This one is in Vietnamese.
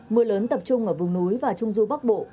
mưa lớn tập trung ở vùng núi và trung du bắc bộ